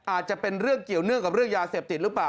อาจจะเป็นเรื่องเกี่ยวเนื่องกับเรื่องยาเสพติดหรือเปล่า